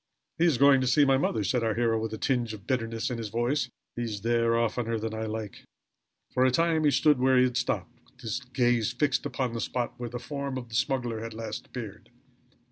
"He is going to see my mother," said our hero, with a tinge of bitterness in his voice. "He is there oftener than I like." For a time he stood where he had stopped, with his gaze fixed upon the spot where the form of the smuggler had last appeared.